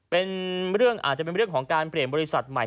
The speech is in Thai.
เป็นเรื่องอาจจะเป็นเรื่องของการเปลี่ยนบริษัทใหม่